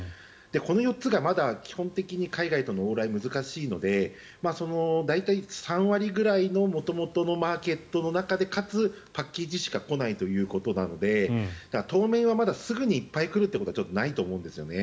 この４つがまだ基本的に海外との往来が難しいので大体３割ぐらいの元々のマーケットの中でかつパッケージしか来ないということなので当面はまだすぐにいっぱい来ることはないと思うんですよね。